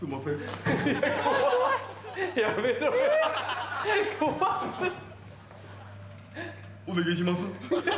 判定お願いします。